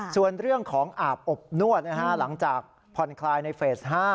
ส่วนเรื่องของอาบอบนวดหลังจากผ่อนคลายในเฟส๕